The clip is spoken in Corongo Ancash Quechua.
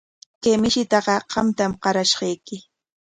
Kay mishitaqa qamtam qarashqayki.